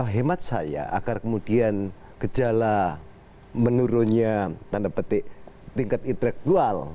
hemat saya agar kemudian gejala menurunnya tanda petik tingkat intelektual